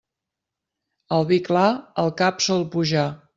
El vi clar al cap sol pujar.